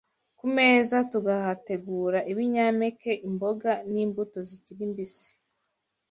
Ku meza tuhategura ibinyampeke, imboga, n’imbuto zikiri mbisi